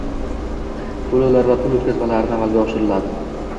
To'lovlar va pul o'tkazmalari amalga oshiriladi